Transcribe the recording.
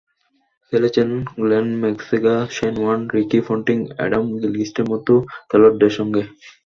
খেলেছেন Glenn McGrath, Shane Warne, Ricky Ponting, Adam গিলক্রিস্টদের মতো খেলোয়াড়দের সঙ্গে।